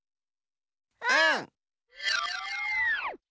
うん！